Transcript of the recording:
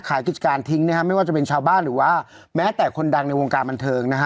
กิจการทิ้งนะฮะไม่ว่าจะเป็นชาวบ้านหรือว่าแม้แต่คนดังในวงการบันเทิงนะฮะ